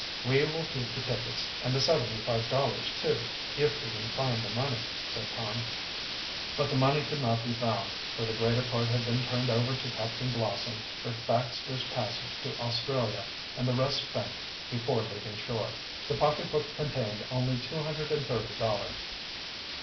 "We will keep the tickets and the seventy five dollars, too if we can find the money," said Tom. But the money could not be found, for the greater part had been turned over to Captain Blossom for Baxter's passage to Australia and the rest spent before leaving shore. The pocketbook contained only two hundred and thirty dollars.